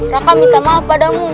raka minta maaf padamu